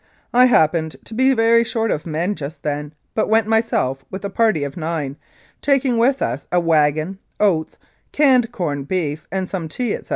I happened to be very short of men just then, but went myself with a party of nine, taking with us a wagon, oats, canned corned beef and some tea, etc.